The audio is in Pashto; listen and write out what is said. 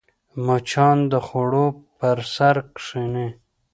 مچان د خوړو پر سر کښېني